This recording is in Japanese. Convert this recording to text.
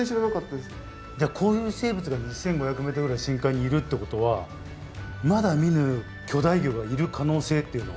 じゃあこういう生物が２，５００ｍぐらいの深海にいるってことはまだ見ぬ巨大魚がいる可能性っていうのは？